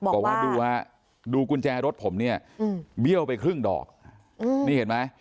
บอกว่าดูว่าดูกุญแจรถผมเนี่ยอืมเบี้ยวไปครึ่งดอกอืมนี่เห็นมั้ย